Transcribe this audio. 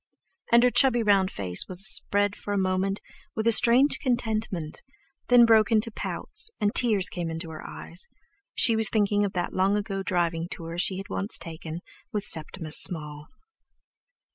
And her chubby round old face was spread for a moment with a strange contentment; then broke into pouts, and tears came into her eyes. She was thinking of that long ago driving tour she had once taken with Septimus Small.